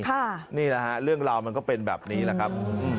นี่แหละฮะเรื่องราวมันก็เป็นแบบนี้แหละครับ